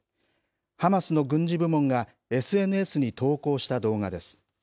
ハマスの軍事部門がＳＮＳに投稿した動画です。